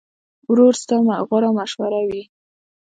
ورور ستا غوره مشوره وي.